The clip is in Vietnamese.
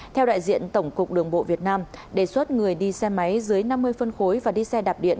theo đại diện tổng cục đường bộ việt nam đề xuất người đi xe máy dưới năm mươi phân khối và đi xe đạp điện